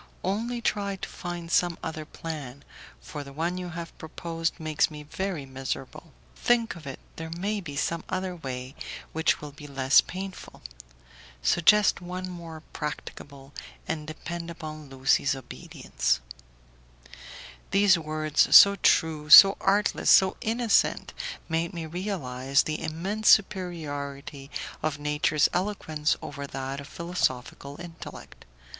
Only try to find some other plan, for the one you have proposed makes me very miserable. Think of it, there may be some other way which will be less painful. Suggest one more practicable, and depend upon Lucie's obedience." These words, so true, so artless, so innocent, made me realize the immense superiority of nature's eloquence over that of philosophical intellect.